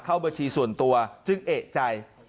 เข้าบัญชีส่วนตัวจึงเอกใจ